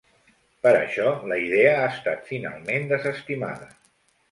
Per això, la idea ha estat finalment desestimada.